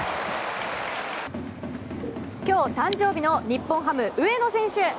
今日、誕生日の日本ハム、上野選手。